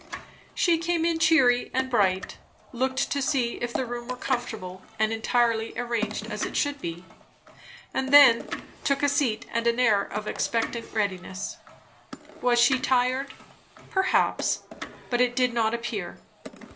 She came in cheery and bright; looked to see if the room were comfortable and entirely arranged as it should be, and then took a seat and an air of expectant readiness. Was she tired? Perhaps but it did not appear.